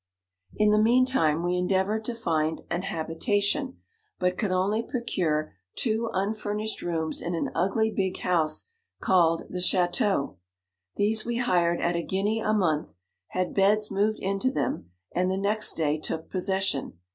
52 In the mean time we endeavoured' to find an habitation, but could only procure two unfurnished rooms in an u gty big house, called the Chateau. These we hired at a guinea a month, had beds moved into them, and the next day took possession.